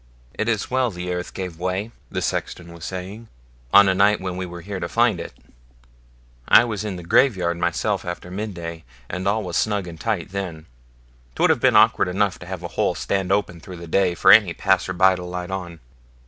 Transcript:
'It is well the earth gave way', the sexton was saying, 'on a night when we were here to find it. I was in the graveyard myself after midday, and all was snug and tight then. 'Twould have been awkward enough to have the hole stand open through the day, for any passer by to light on.'